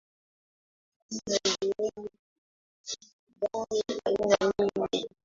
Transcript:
Kuna bidhaa aina nyingi.